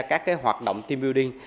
các hoạt động team building